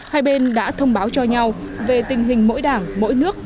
hai bên đã thông báo cho nhau về tình hình mỗi đảng mỗi nước